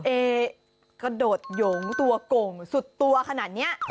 เอกระโดดหยงตัวโก่งสุดตัวขนาดนี้